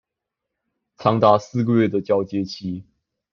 長達四個月的交接期